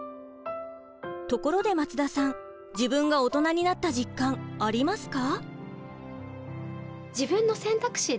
ところで松田さん自分がオトナになった実感ありますか？